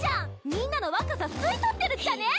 みんなの若さ吸い取ってるっちゃね！